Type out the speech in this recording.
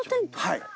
はい。